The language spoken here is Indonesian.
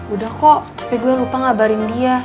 udah kok tapi gue lupa ngabarin dia